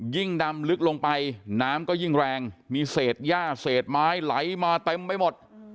ยิ่งดำลึกลงไปน้ำก็ยิ่งแรงมีเศษย่าเศษไม้ไหลมาเต็มไปหมด